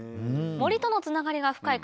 森とのつながりが深い